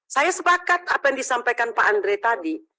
saya sepakat apa yang disampaikan pak andre tadi